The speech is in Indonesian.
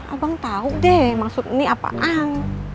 abang tau deh maksud ini apaan